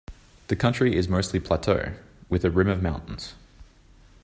The country is mostly plateau with a rim of mountains.